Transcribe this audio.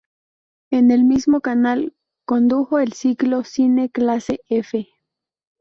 En el mismo canal condujo el ciclo "Cine clase F".